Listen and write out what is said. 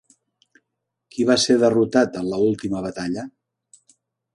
Qui va ser derrotat en l'última batalla?